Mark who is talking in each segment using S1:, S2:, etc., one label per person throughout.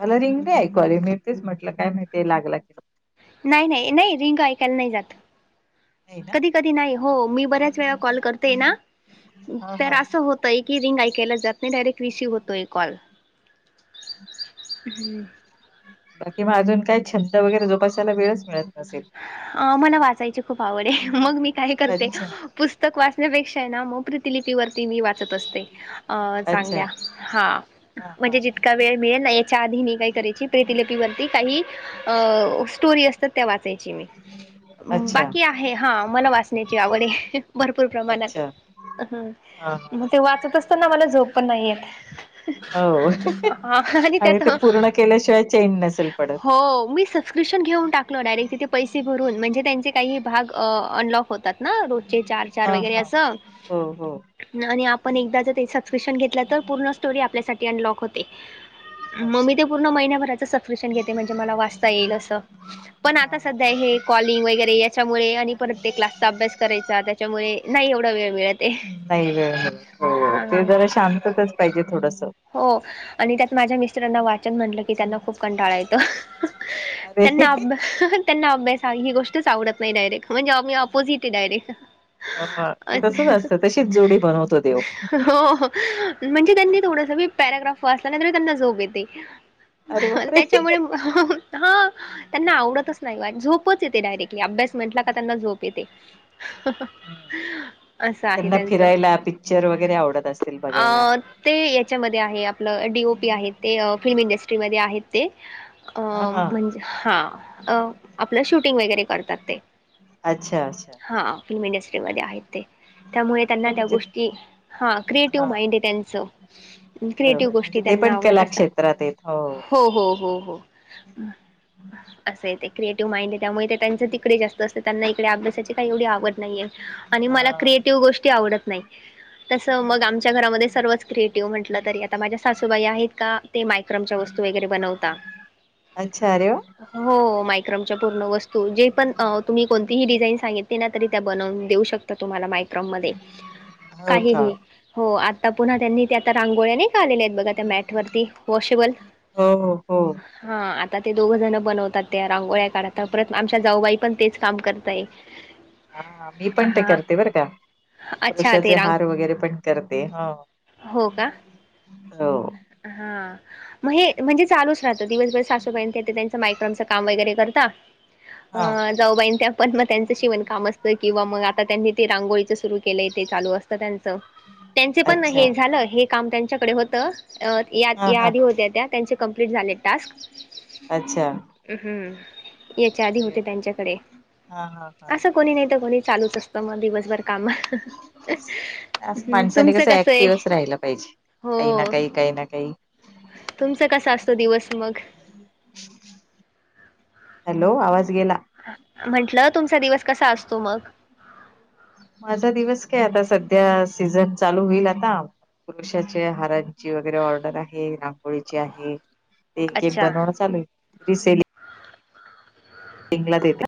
S1: मला रिंग नाही ऐकू आली मी तेच म्हटलं काय माहिती लागला की
S2: नाही, नाही, नाही रिंग ऐकायला नाही जात.
S1: नाही ना.
S2: कधी कधी नाही हो मी बऱ्याच वेळा कॉल करते ना
S1: हा
S2: तर
S1: हा.
S2: असं होत एकही रिंग ऐकायला जात नाही डायरेक्ट रिसीव होतोय कॉल.
S1: बाकी मग अजून काय छंद वगैरे जोपासायला वेळच मिळत नसेल.
S2: अ मला वाचायची खूप आवड आहे मग मी काय करते
S1: अच्छा
S2: पुस्तक वाचण्यापेक्षा आहे ना मग प्र ती लिपीवरती मी वाचत असते अं
S1: अच्छा
S2: चांगल्या हा
S1: हा हा.
S2: म्हणजे जितका वेळ मिळेल ना याच्या आधी मी काही करायची प्रति लिपी वरती काही अ स्टोरी असतात त्या वाचायची मी
S1: अच्छा
S2: बाकी आहे हा मला वाचण्याची आवडे भरपूर प्रमाणात
S1: अच्छा हा हा
S2: मग ते वाचत असताना मला झोप पण नाही येत.
S1: हो
S2: हा आणि त्यात
S1: ते पूर्ण केल्याशिवाय चैन नसेल पडत.
S2: हो मी बस्क्रप्शन घऊन टाकलं डायरेक्ट तिथे पसे भरून म्हणजे त्यांचे काही भाग अनलॉक होतात. ना रोजचे चार चार
S1: हा
S2: वगैरे
S1: हा.
S2: असं
S1: हो हो
S2: आणि आपण एकदा जर सबस्क्रिप्शन घेतलं तर पूर्ण स्टोरी आपल्यासाठी अनलॉक होते.
S1: अच्छा.
S2: मग्मी ते पूर्ण महिन्याभराच सबस्क्रिपशन घेते म्हणजे मला वाचता येईल असं पण
S1: हा
S2: आता
S1: हा.
S2: सध्या काय हे कॉलिंग वगैरे याच्यामुळे आणि परत ते क्लासचा अभ्यास करायचा त्याच्यामुळे नाही एवढा वेळ मिळत आहे.
S1: नाही ग हो हो
S2: हा
S1: ते
S2: हा.
S1: जरा शांततच पाहिजे थोडसं
S2: हो आणि त्यात माझ्या मिस स्टरांना वाचन म्हटलं की त्यांना खूप कंटाळा येतो
S1: अरे
S2: त्यांना अभ्या त्यांना अभ्यास हा ही गोष्टच आवडत नाही डायरेक्ट म्हणजे आम्ही आपोजिट आहे डायरे
S1: ह ते तसच
S2: ह
S1: असतं तशीच जोडी बनवतो देव
S2: हो म्हणजे त्यांनी थोड मी पॅराग्राफ वाचला नाही तरी त्यांना झोप येते
S1: अरे बापरे.
S2: त्याच्यामुळे हा त्यांना आवडतच नाही झोपच येते डायरेक्टली अभ्यास म्हटला का त्यांना झोप येते. असं आहे
S1: त्यांना
S2: त्यांचं.
S1: फिरायला, पिकच्चर वगैरे आवडत असेल बघायला.
S2: अ ते याच्यामध्ये आहे आपलं डी ओ पी आहेत ते फिल्म इंडस्ट्रीमध्ये आहेत ते
S1: हा
S2: अं
S1: हा
S2: म्हणजे हा अं आपलं शूटिंग वगैरे करतात ते
S1: अच्छा अच्छा
S2: हा फिल्म इंडस्ट्रीमध्ये आहेत ते. त्यामुळे त्यांना त्या
S1: म्हणजे
S2: गोष्टी हा
S1: हा
S2: क्रिएटिव्ह माइंड आहे त्यांचं.
S1: बरोबर
S2: क्रिएटिव्ह
S1: म्हणजे
S2: गोष्टी
S1: ते
S2: त्यांना
S1: पण
S2: आवडत
S1: कला
S2: असता
S1: क्षेत्रात आहेत
S2: हो हो हो हो असंय ते क्रिएटिव्ह माइंड आहे त्यामुळे ते त्यांच तिकडे जास्त असत, त्यांना इकडे अभ्यासाची काही एवढी आवड नाहीय. आणि
S1: हा
S2: मला क्रिएटिव्ह गोष्टी आवडत नाही, तसं मग आमच्या घरामध्ये सर्वच क्रिएट ज्यो म्हटला तरी आता माझ्या सासूबाई आहेत का ते मायक्रोमच्या वस्तू वगैरे बनवता.
S1: अच्छा अरे वा
S2: हो मायक्रोमच्या पूर्ण वस्तू जे पण तुम्ही कोणतीही डिझाईन सांगितली ना तरी त्या बनवून देऊ शक ता तुम्हाला मायक्रोम मधे
S1: हो का
S2: काहीही हो आता पुन्हा त्यांनी ते आता रांगोळ्या नाही का आलेल्या आहेत बघा त्या मॅट वरती वॉशेबल
S1: हो हो हो
S2: हा आता ते दोघं जण बनवतात त्या रांगोळ्या काढता परत आमच्या जाऊबाई पण तेच काम करतय.
S1: हा मी पण ते करते बरं का आणि
S2: अच्छा ते
S1: पुरुषाचे
S2: रांग
S1: हार वगैरे पण करते हो.
S2: हो का
S1: हो
S2: हा म हे म्हणजे चालूच राहत. दिवसभर सासूबाई त्यां ते मायक्रोमच काम वगैरे करता
S1: हा
S2: अं जाऊबाई त्या पण मग त्यांचं शिवणकाम असतं किंवा मग आता त्यांनी ते रांगोळीचं सुरू केलंय ते चालू असतं त्यांचं त्यांचे पण
S1: अच्छा
S2: हे झालं हे काम त्यांच्याकडे होतं
S1: हा
S2: या
S1: हा
S2: आधी होत त्या त्यांच्या कंप्लीट झालेत टास्क
S1: अच्छा
S2: हम् हम्म याच्या आधी
S1: अरे
S2: होते
S1: वा.
S2: त्यांच्याकडे
S1: हा हा हा
S2: असं कोणी नाही तर कोणी चालूच असतं म दिवसभर कामा
S1: असं माणसाने
S2: तुमचं कसं आहे
S1: ऍक्टिव्हच राहिला पाहिजे काही ना
S2: हो
S1: काही, काही ना काही
S2: तुमचं कस असतो दिवस मग
S1: हॅलो आवाज गेला.
S2: म्हंटलं तुमचा दिवस कसा असतो मग
S1: माझा दिवस काय आता सध्या सीझन चालू होईल आता हारा ची वैगेरे ऑर्डर आहे रांगोळीची आहे एक एक
S2: अच्छा
S1: बनवणं चालू आहे रिसे. लिंगला देत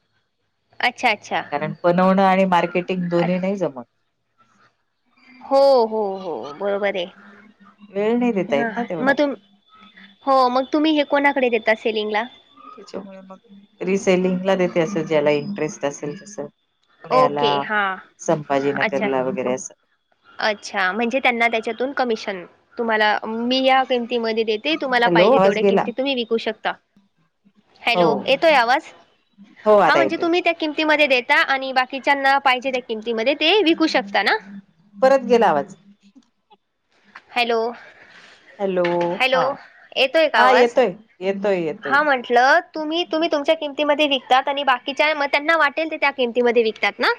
S2: अच्छा अच्छा
S1: कारण बनवणं आणि मार्केटिंग दोन्ही नाही जमत.
S2: हो हो हो बरोबर ये.
S1: वेळ नाही देता
S2: हा
S1: येत ना तेवढा
S2: म तुम हो मग तुम्ही हे कोणाकडे देता सेलिंग ला?
S1: त्याच्यामुळे मग रिसेलिंगला देते असं ज्याला इंटरेस्ट असेल तस पुण्याला
S2: ओके हां अच्छा.
S1: संभाजीनगरला वगैरे असं
S2: अच्छा म्हणजे त्यांना त्याच्यातून कमिशन तुम्हाला मी या किमतीमध्ये देते तुम्हाला
S1: हॅलो
S2: पाहिजे
S1: आवाज
S2: तेवढ्या
S1: गेला
S2: किमतीत तुम्ही विकू शकता
S1: हो
S2: हॅलो येतोय आवाज
S1: हो
S2: हा
S1: आता
S2: म्हणजे
S1: येतोय
S2: तुम्ही त्या किमतीमध्ये देता आणि बाकीच्यांना पाहिजे त्या किमतीमध्ये ते विकू शकता ना
S1: परत गेला आवाज
S2: हॅलो
S1: हॅलो
S2: हॅलो
S1: हा हा येतोय येतोय ये
S2: हां म्हण म्हटलं तुम्ही तुम्ही तुमच्या किमतीमध्ये विकतात आणि बाकीच्या म त्यांना वाटेल ते त्या किमतीमध्ये विकतात ना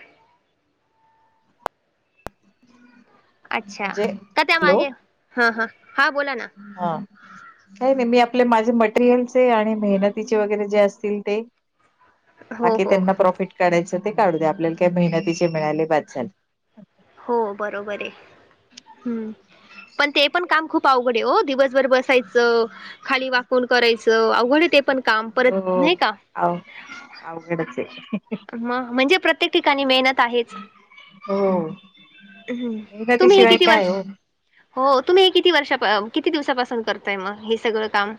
S2: अच्छा
S1: म्हणजे
S2: का
S1: हॅलो
S2: त्यामागे ह- ह- हा बोला ना
S1: हा काही नाही मी आपले माझे मटेरियलचे आणि मेहनतीचे वगैरे जे असतील ते
S2: हो
S1: बाकी
S2: हो
S1: त्यांना प्रॉफिट काढायचं ते काढू द्या आपल्याला काही मेहनतीचे मिळाले बास झाल
S2: हो बरोबर आहे हम् पण ते पण काम खूप अवघड आहे हो दिवसभर बस यच खाली वाकून करायचं अवघड ते पण काम परत नाही का
S1: आव अवघडच ये
S2: मग म्हणजे प्रत्येक ठिकाणी मेहन त आहेच
S1: हो
S2: हम तुम्ही हे
S1: मेहनतीशिवाय
S2: किती
S1: काय
S2: वर्ष
S1: हो.
S2: हो तुम्ही हे किती वर्षा किती दिवसापासून करताय मग हे सगळं काम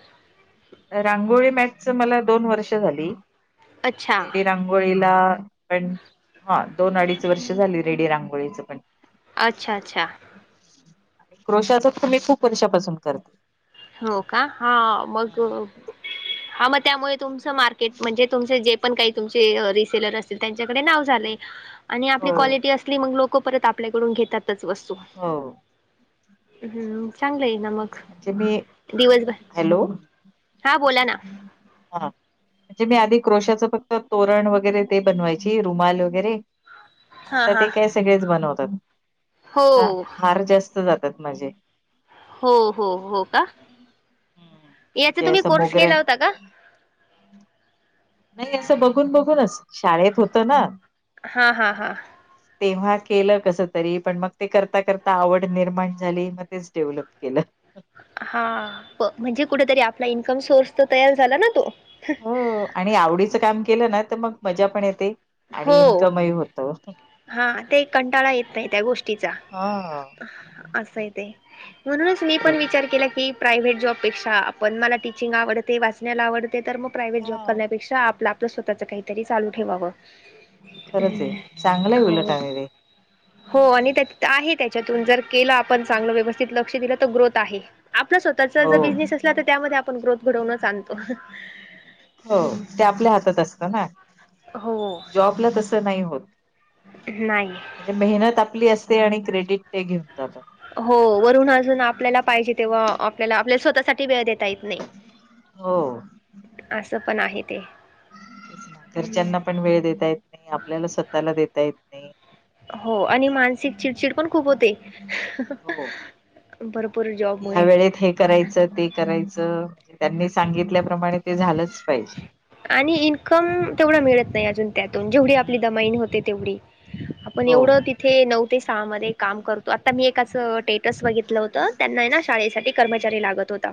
S1: रांगोळी मॅटच मला दोन वर्ष झाली
S2: अच्छा
S1: रेडी रांग गोळीला पण हा दोन अडीच वर्ष झाली रेडी रांगोळीचं पण
S2: अच्छा अच्छा
S1: क्रोशाचाच तर मी खूप वर्षापासून करते
S2: हो का हा मग हा मग त्यामुळे तुमचं मार्केट म्हणजे तुमचे जे पण काही तुमचे रिसेलर असतील त्यांच्याकडे नाव झालयं
S1: [inaudible]
S2: आणि आपली क्वालिटी असली मग लोक परत आपल्याकडून घेतातच वस्तू
S1: हो
S2: हम्म चांगलंय ना मग
S1: [unintelligible]
S2: दिवसभर
S1: हॅलो
S2: हा बोला ना
S1: हा म्हणजे मी आधी क्रोशाचं फक्त तोरण वगैरे ते बनवायची रुमाल वगैरे
S2: हा
S1: आता
S2: हा.
S1: ते काय सगळेच बनवतात
S2: हो
S1: त्यात हार जास्त जातात माझे
S2: हो हो हो का
S1: हम्म.
S2: याचा
S1: म्हणजे
S2: तुम्ही
S1: असं
S2: कोर्स
S1: मोगऱ्या
S2: केला होता का
S1: नाही असं बघून बघूनच शाळेत होतं ना
S2: हा हा
S1: मग
S2: हा
S1: तेव्हा केलं कस तरी पण मग ते करता करता आवड निर्माण झाली मग तेच डेव्हलप केलं
S2: हा प म्हणजे कुठेतरी आपला इन्कम सोर्स तर तयार झाला ना तो
S1: हो आणि आवडीचं काम केलं ना तर मग मजा पण येते आणि
S2: हो
S1: इन्कमही होत
S2: हा ते कंटाळा येत नाही त्या गोष्टीचा
S1: हा
S2: असंय ते म्हणूनच मी पण
S1: बरोबर
S2: विचार केला की प्रायव्हेट जॉबपेक्षा आपण मला टीचिंग आवडते वाचण्याला आवडते तर मग प्रायव्हेट जॉब
S1: हा
S2: करण्यापेक्षा आपला त स्वतःच काहीतरी चाल ठेवावं. [unintelligible]
S1: खरच आहे चांगलं आहे उलट
S2: हो
S1: आरे [unintelligible]
S2: हो आणि त्या आहे त्याच्यातून जर केलं आपण चांगलं व्यवस्थित लक्ष दिलं तर ग्रोथ आहे [unintelligible] आपला स्वतःचा
S1: हो
S2: ज बिझनेस असला तर त्यामध्ये आपण ग्रोथ घडवूनच आणतो [unintelligible]
S1: हो ते आपल्या हातात असतं ना [unintelligible]
S2: हो [unintelligible]
S1: जॉबला तसं नाही होत [unintelligible]
S2: नाही [unintelligible]
S1: म्हणजे मेहनत आपली असते आणि क्रेडिट ते घेऊन जातात [unintelligible]
S2: हो वरुून अजून आपल्याला पाहिजे तेव्हा आपल्याला-आपल्याला स्वतःसाठी वेळ देता येत नाही. [unintelligible]
S1: हो. [unintelligible]
S2: असं पण आहे ते [unintelligible]
S1: तेच ना.
S2: हम्म
S1: घरच्यांना पण वेळ देता येत नाही आपल्याला स्वतःला देता येत [unintelligible]
S2: हो आणि मानसिक चिडचिड पण खूप होते
S1: हो
S2: भरपूर जॉब [unintelligible]
S1: या वेळेत हे करायचं ते करायचं त्यांनी सांगितल्याप्रमाणे ते झालंच पाहिजे.
S2: आणि इन्कम तेवढा मिळत नाही अजून त्यातून जेवढी आपली
S1: हम्म.
S2: दमाईनी होते तेवढी. [unintelligible] आपण
S1: हो
S2: एवढं तिथे नऊ ते सहा मध्ये काम करतो आता मी एकचं ट [unintelligible] बघितलं होत त्यांना ना शाळेसाठी कर्मचारी लागत होता.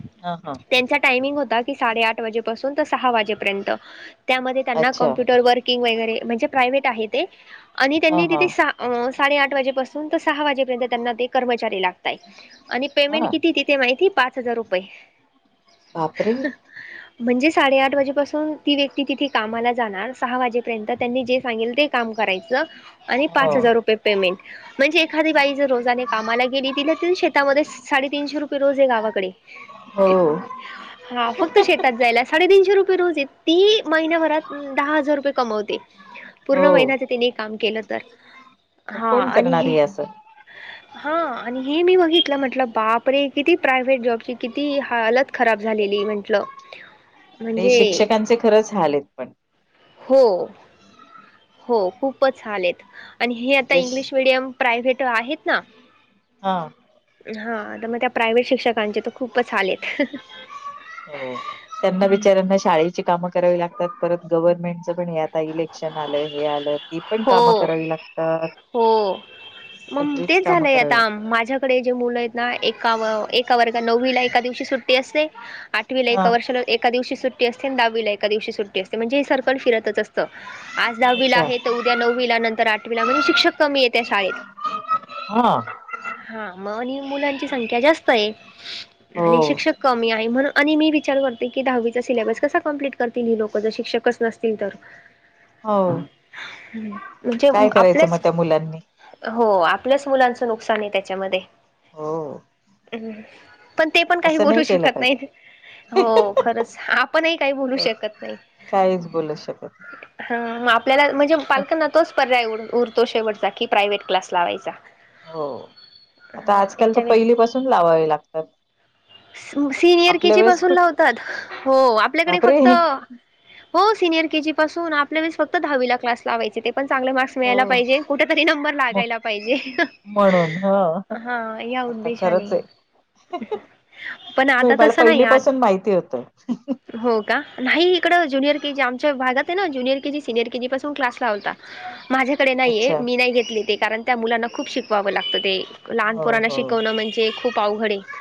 S2: [unintelligible]
S1: ह हा [unintelligible]
S2: त्यांचा टायमिंग होता की साडे आठ वाजेपासून तर सहा वाजेपर्यंत त्यामध्ये त्यांना
S1: अच्छा
S2: कमप्युटरवर वर्किंग वगैरे म्हणजे प्रायव्हेट आहे ते आणि
S1: हा
S2: त्यांनी
S1: हा
S2: तिथे सहा [unintelligible] अ साडे आठ वाजेपासून तर सहा वाजेपर्यंत त्यांना ते कर्मचारी लागत आणि पेमेंट
S1: हा
S2: किती ते माहिती पाच हजार रुपये. [unintelligible]
S1: बापरे [unintelligible]
S2: म्हणजे साडेआठ वाजेपासून ती व्यक्ती तिथे कामाला जाणार सहा वाजे [unintelligible] त्यांनी जे सांगेल ते काम करायच आणि
S1: हो
S2: पाच हजार रुपये पेमेंट म्हणजे एखादी बाई जर रोजाने कामाला गेली तिला तरी शेतामध्ये साडेतीनशे रुपये रोज आहे गावाकडे
S1: हो
S2: हा फक्त शेत [unintelligible] शेतात जायला साडेतीनशे रुपये रोज आहे ती महिनाभरात दहा हजार रुपये कमावते.
S1: हो
S2: पूर्ण महिन्याच तिने काम केलं तर [unintelligible]
S1: मग
S2: हा
S1: कोण
S2: आणि
S1: करणार
S2: हे
S1: आहें असं [unintelligible]
S2: हा आणि हे मी बघितलं म्हटलं बापरे किती प्रायव्हेट जॉबची किती हलत खराब झालेली म्हटलं. [unintelligible]
S1: आणि शिक्षकांचे खरंच हाल आहेत पण. [unintelligible]
S2: हो हो खूपच हाल आणि हे आता
S1: म्हणजे
S2: इंग्लिश मिडियम प्रायव्हेट आहेत ना [unintelligible]
S1: हा [unintelligible]
S2: हा तर मग त्या प्रायव्हेट शिक्षकांचे त खूपच हालेत.
S1: हो त्यांना बिचऱ्यांना शाळ [unintelligible] काम करावी लागतात परत गव्हर्नमेंटच पण हे आता इलेक्शन आलं हे आलं ती पण
S2: हो
S1: काम करावी लागतात. [unintelligible]
S2: हो मग
S1: सगळीच
S2: तेच
S1: कामं
S2: झालंय
S1: करावी
S2: आता
S1: लागतात
S2: माझ्या कडे जे मुलं आहेत ना एका एका वर्ग नववीला एका दिवशी सुट्टी असते आठवीला एका
S1: हा
S2: वर्षला एका दिवशी सुट्टी असते आणि दहावीला एक दिवशी सुट्ट असते म्हणजे हे सर्कल फिरच असत आज दहावीला
S1: अच्छा
S2: आहे त उद्या नववीला नंतर आठवीला म्हणजे श शिक्षक कमी येत त्या शाळेत
S1: हा
S2: [unintelligible] हा मग आणि मुलांची संख्या जास्त आहे आणि
S1: हो
S2: शिक्षक कमी आहे म्हण आणि मी विचार करते की दहावीचा सिलॅबस कसा कम्प्लीट करतील ही लोक जर शिक्षकच नसते [unintelligible] [unintelligible]
S1: हो [unintelligible]
S2: म्हणजे ह
S1: काय करायचं मग
S2: आपल्याच
S1: त्या मुलांनी.
S2: हो आपल्याच मुलांचं नुकसान ये त्याच्यामध्ये
S1: हो.
S2: हम्म पण ते पण काही
S1: असं
S2: बोलू
S1: नाही केलं
S2: शकत
S1: पाहिजे
S2: नाही. हो खरंच, आपणही काही बोलू
S1: बर
S2: शकत नाही.
S1: काहीच बोलू शकत नाही
S2: हा मग आपल्याला म्हणजे पालकांना तोच पर्याय उरतो, शेवटचा की प्रायव्हेट क्लास लावायचा.
S1: हो, आता
S2: हा
S1: आजकाल तर
S2: याच्या वे
S1: पहिलीपासून लावावे लागतात.
S2: सु सिनियर
S1: आपल्या
S2: केजी
S1: वेळेस
S2: पासून
S1: कुठ
S2: लावतात, हो आपल्याकडे
S1: बापरे
S2: फक्त हो सिनियर केजी पासून आपल्या वेळेस फक्त दहावीला क्लास लावायचे, ते पण चांगले मार्क्स
S1: हो
S2: मिळायला पाहिजे, कुठ तरी नंबर
S1: म
S2: लागायला पाहिजे,
S1: म्हणून ह
S2: हा या उद्देशाने. पण
S1: होय
S2: आता
S1: मला
S2: तसं नाही
S1: पहिली पासून
S2: आत
S1: माहिती होत.
S2: हो का, नाही इकडं ज्युनियर के जी आमच्या भागात आहे ना junior K G senior KG पासून क्लास लावता. माझ्या नहिये,
S1: अच्छा
S2: मी नाही घेतली ते कारण त्या मुलांना खूप शिकवावं लागतं, ते
S1: हो
S2: लहानपोरांना
S1: हो
S2: शिकवणं म्हणजे खूप अवघड. आहे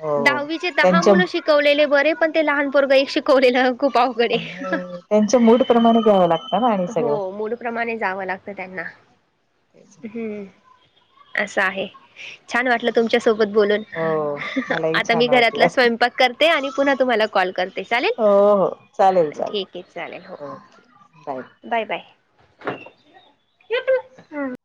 S1: हो
S2: दहावीचे दहा
S1: त्यांच्या
S2: मुलं शिकवलेले बरे, पण ते लहान पोरं एक शिकवलेलं खूप अवघड
S1: आणि
S2: आहे
S1: त्यांच्या मूड प्रमाणे घ्यावं लागतं ना आणि सगळं?
S2: प्रमाणे जावं लागतं त्यांना
S1: तेच ना
S2: हम् असं आहे. छान वाटलं तुमच्यासोबत बोलून.
S1: हो मलाही
S2: आता मी
S1: छान वाटलं
S2: घरातला स्वयंपाक करते आणि पुन्हा तुम्हाला कॉल करते चालेल?
S1: हो हो चालेल
S2: ठीक आहे हो.
S1: चालेल.
S2: Bye bye. [unintelligible]